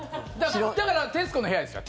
だから「徹子の部屋」ですよ。